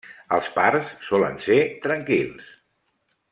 Els parts solen ser tranquils.